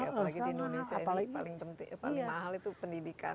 apalagi di indonesia ini paling mahal itu pendidikan